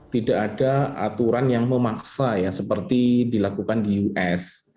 tidak ada aturan yang memaksa ya seperti dilakukan di us